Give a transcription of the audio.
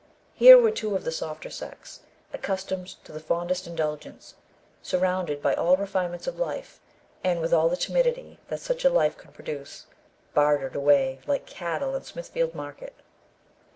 Here were two of the softer sex, accustomed to the fondest indulgence, surrounded by all the refinements of life, and with all the timidity that such a life could produce, bartered away like cattle in Smithfield market.